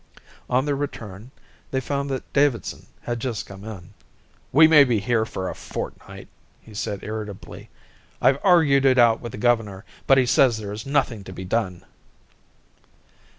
On their return they found that Davidson had just come in. "We may be here for a fortnight," he said irritably. "I've argued it out with the governor, but he says there is nothing to be done."